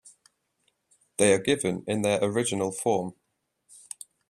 They are given in their original form.